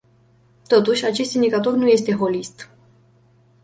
Totuși, acest indicator nu este holist.